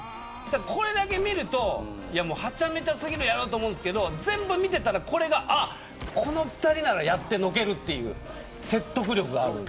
これだけ見ると、はちゃめちゃ過ぎるやろと思うんですけど全部見ていたら、これがこの２人ならやってのけるという説得力があるというか。